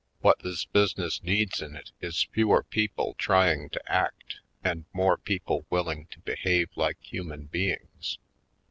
"What this business needs in it is fewer people trying to act and more people willing to behave like human beings.